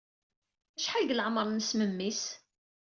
Acḥal deg leɛmeṛ-nnes memmi-s?